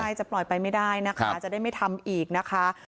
ใช่จะปล่อยไปไม่ได้นะคะจะได้ไม่ทำอีกนะคะ